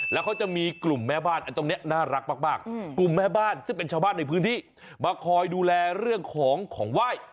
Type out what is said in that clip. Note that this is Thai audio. แล้วเขาจะมีกลุ่มแม่บ้านตรงนี้น่ารักมากกลุ่มแม่บ้านซึ่งเป็นชาวบ้านในพื้นที่มาคอยดูแลเรื่องของของไหว้